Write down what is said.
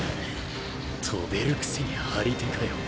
飛べるくせに張り手かよ。